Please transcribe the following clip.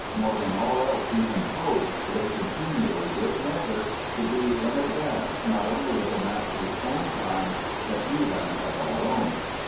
More than all else he composed they continue, in great measure, to be in advance not only of the master's own time but even of our own.